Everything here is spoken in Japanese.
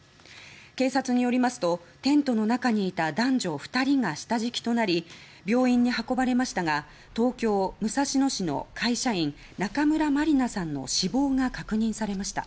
警察によりますとテントの中にいた男女２人が下敷きとなり病院に運ばれましたが東京・武蔵野市の会社員・中村まりなさんの死亡が確認されました。